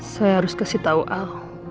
saya harus kasih tau al